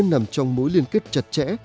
nằm trong mối liên kết chặt chẽ